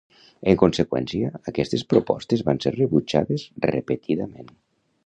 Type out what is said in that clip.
En conseqüència, aquestes propostes van ser rebutjades repetidament.